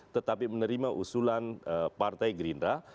tetapi menerima usulan partai gerindra